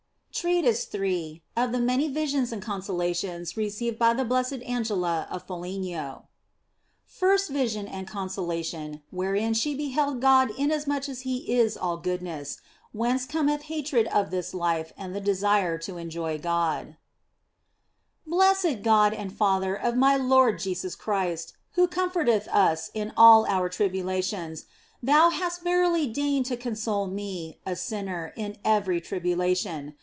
TREATISE III OF THE MANY VISIONS AND CONSOLATIONS RE CEIVED BY THE BLESSED ANGELA OF FOLIGNO FIRST VISION AND CONSOLATION, WHEREIN SHE BEHELD GOD INASMUCH AS HE IS ALL GOODNESS ; WHENCE COMETH HATRED OF THIS LIFE AND THE DESIRE TO ENJOY GOD BLESSED God and Father of my Lord Jesus Christ, who comforteth us in all our tribulations, Thou hast verily deigned to console me, a sinner, in every tribulation.